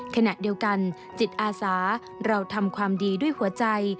ขณะเดียวกันจิตอาสาเราทำความดีด้วยหัวใจ